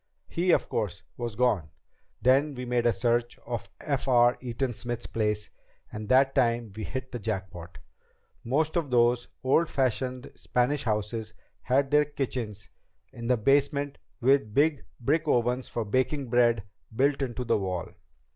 He, of course, was gone. Then we made a search of F. R. Eaton Smith's place, and that time we hit the jackpot. Most of those old fashioned Spanish houses had their kitchens in the basement with big brick ovens for baking bread built into the wall.